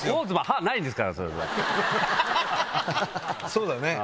そうだね。